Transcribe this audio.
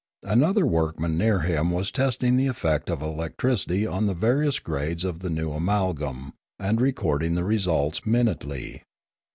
Auother workman near him was testing the effect of electricity on the various grades of the new amalgam and recording the results minutely.